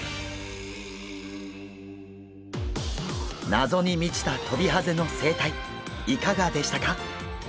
謎に満ちたトビハゼの生態いかがでしたか？